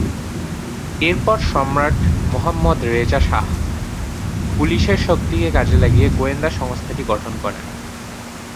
এরপর সম্রাট Mohammad Reza Shah পুলিশের শক্তিকে কাজে লাগিয়ে গোয়েন্দা সংস্থাটি গঠন করেন।